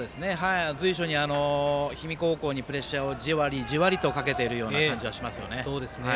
随所に氷見高校にプレッシャーをじわりじわりとかけているような感じがしますよね。